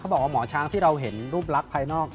บอกว่าหมอช้างที่เราเห็นรูปลักษณ์ภายนอก